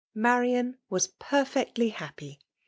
Marian was perfectly happy.